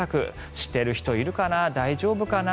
している人いるかな大丈夫かな？